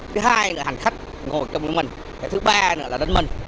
thứ hai là hành khách ngồi chung với mình thứ ba là đánh mình